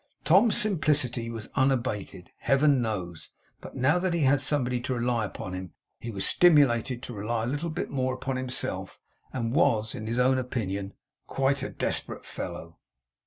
Tom's simplicity was unabated, Heaven knows; but now that he had somebody to rely upon him, he was stimulated to rely a little more upon himself, and was, in his own opinion, quite a desperate fellow.